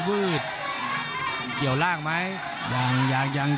ภูตวรรณสิทธิ์บุญมีน้ำเงิน